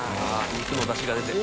肉のダシが出て。